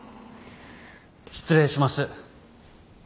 失礼します。